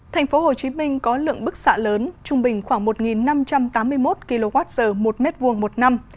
thành phố hồ chí minh có lượng bức xạ lớn trung bình khoảng một năm trăm tám mươi một kwh một m hai một năm